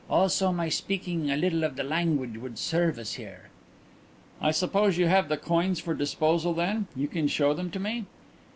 Also my speaking a little of the language would serve us here." "I suppose you have the coins for disposal then? You can show them to me?"